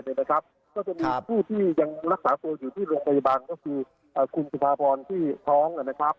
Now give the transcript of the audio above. ก็จะมีผู้ที่ยังรักษาตัวอยู่ที่โรงพยาบาลก็คือคุณสุภาพรที่ท้องนะครับ